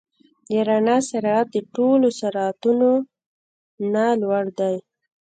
د رڼا سرعت د ټولو سرعتونو نه لوړ دی.